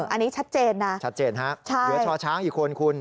อันนี้ชัดเจนนะชัดเจนฮะเหลือช่อช้างอีกคนคุณ